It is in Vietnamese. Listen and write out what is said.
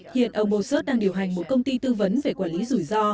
hiện ông serg đang điều hành một công ty tư vấn về quản lý rủi ro